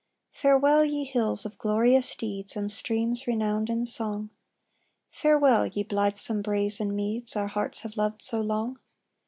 "Farewell, ye hills of glorious deeds, And streams renowned in song; Farewell, ye blithesome braes and meads Our hearts have loved so long.